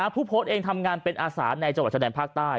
ผู้โพสต์เองทำงานเป็นอาสาในจังหวัดชายแดนภาคใต้